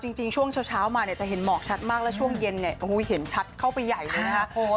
จริงช่วงเช้ามาเนี่ยจะเห็นหมอกชัดมากแล้วช่วงเย็นเนี่ยเห็นชัดเข้าไปใหญ่เลยนะคะ